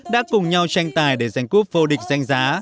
đã cùng nhau tranh tài để giành cúp vô địch danh giá